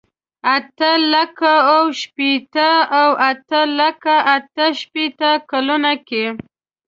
اته لکه اوه شپېته او اته لکه اته شپېته کلونو کې.